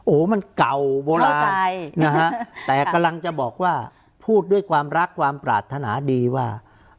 โอ้โหมันเก่าโบราณนะฮะแต่กำลังจะบอกว่าพูดด้วยความรักความปรารถนาดีว่า